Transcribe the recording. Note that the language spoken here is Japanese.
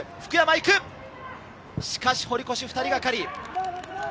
しかし堀越、２人がかり。